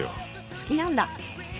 好きなんだ。